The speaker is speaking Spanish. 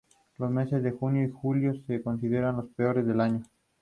Los meses de junio y julio se consideran los peores del año.